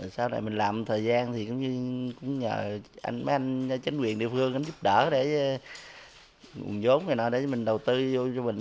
sau này mình làm một thời gian thì cũng nhờ mấy anh chính quyền địa phương giúp đỡ để nguồn vốn để mình đầu tư vô cho mình